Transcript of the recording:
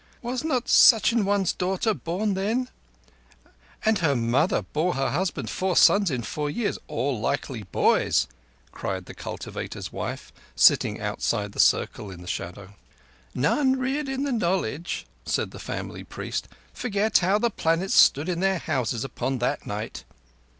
"Was not such an one's daughter born then—" "And her mother bore her husband four sons in four years all likely boys," cried the cultivator's wife, sitting outside the circle in the shadow. "None reared in the knowledge," said the family priest, "forget how the planets stood in their Houses upon that night."